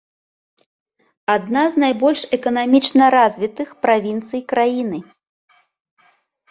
Адна з найбольш эканамічна развітых правінцый краіны.